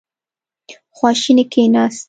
خواشینی کېناست.